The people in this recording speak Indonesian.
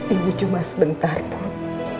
ibu cuma sebentar put